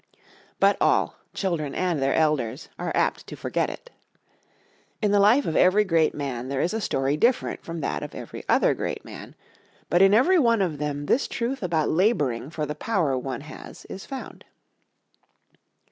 But all, children and their elders, are apt to forget it. In the life of every great man there is a story different from that of every other great man, but in every one of them this truth about laboring for the power one has is found.